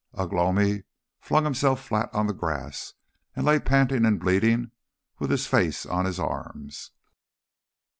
Ugh lomi flung himself flat on the grass, and lay panting and bleeding with his face on his arms.